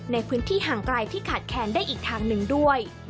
ในพื้นที่ห่างไกลที่ขาดแค้นได้อีกทางหนึ่งด้วย